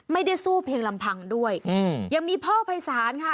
ไม่ได้สู้เพียงลำพังด้วยอืมยังมีพ่อภัยศาลค่ะ